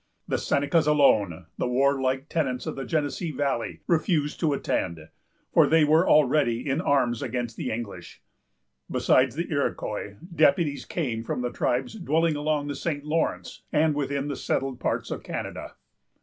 The Senecas alone, the warlike tenants of the Genesee valley, refused to attend; for they were already in arms against the English. Besides the Iroquois, deputies came from the tribes dwelling along the St. Lawrence, and within the settled parts of Canada.